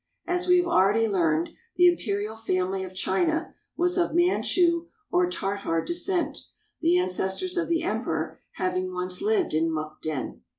As we have already learned, the Imperial family of China was of Manchu or Tartar descent, the ancestors of the Emperor having once lived in Mukden.